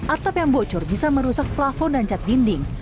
atap yang bocor bisa merusak plafon dan cat dinding